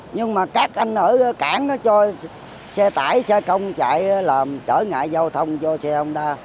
nhưng mà các anh ở cảng nó cho xe tải xe công chạy làm trở ngại giao thông cho xe ông đa